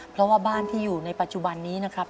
เพราะว่าบ้านที่อยู่ในปัจจุบันนี้นะครับ